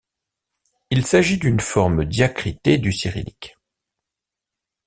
Il s’agit d’une forme diacritée du cyrillique.